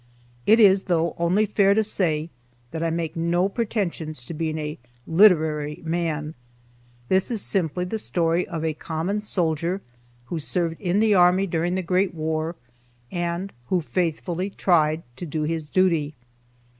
It is, though, only fair to say that I make no pretensions to being a "literary" man. This is simply the story of a common soldier who served in the army during the great war, and who faithfully tried to do his duty.